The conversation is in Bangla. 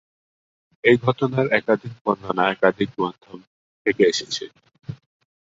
এই ঘটনার একাধিক বর্ণনা একাধিক মাধ্যম থেকে এসেছে।